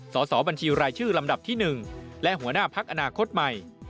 สอบบัญชีรายชื่อลำดับที่๑และหัวหน้าพักอนาคตใหม่